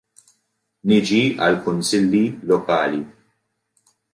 Niġi għall-kunsilli lokali.